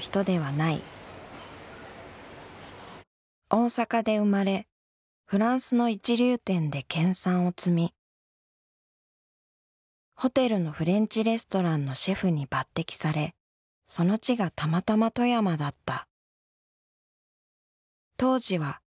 大阪で生まれフランスの一流店で研鑽を積みホテルのフレンチレストランのシェフに抜擢されその地がたまたま富山だった。